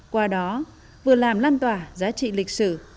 qua đó vừa làm lan tỏa giá trị lịch sử